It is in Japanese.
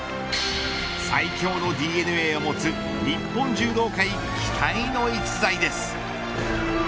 最強のＤＮＡを持つ日本柔道界期待の逸材です。